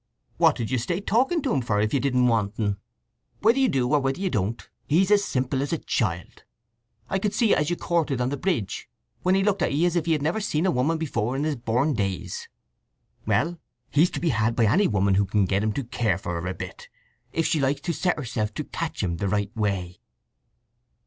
What did you stay talking to him for, if you didn't want un? Whether you do or whether you don't, he's as simple as a child. I could see it as you courted on the bridge, when he looked at 'ee as if he had never seen a woman before in his born days. Well, he's to be had by any woman who can get him to care for her a bit, if she likes to set herself to catch him the right way."